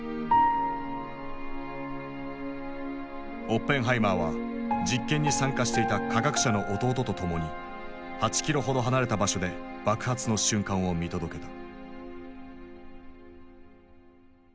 オッペンハイマーは実験に参加していた科学者の弟と共に８キロほど離れた場所で爆発の瞬間を見届けた。